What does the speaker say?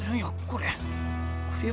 これ。